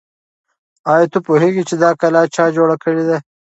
آیا ته پوهېږې چې دا کلا چا جوړه کړې ده؟